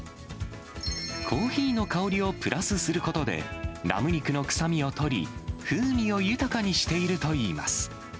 コーヒーの香りをプラスすることで、ラム肉の臭みを取り、風味を豊かにしているといいます。